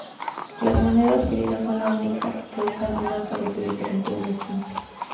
Las monedas griegas son las únicas que usan un alfabeto diferente del latino.